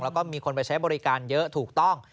แล้วก็มีคนไปใช้บริการเยอะถูกต้อง